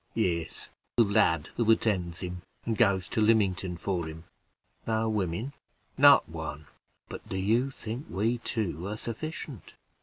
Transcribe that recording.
"Yes, a lad who attends him, and goes to Lymington for him." "No women?" "Not one." "But do you think we two are sufficient?